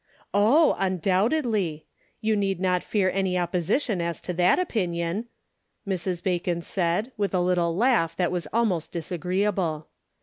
" Oh, undoubtedly ; you need not fear any opposition as to that opinion," Mrs. Bacon said, with a little laugh that was almost dis agreeable.